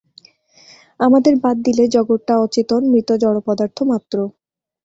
আমাদের বাদ দিলে জগৎটা অচেতন, মৃত জড়পদার্থ মাত্র।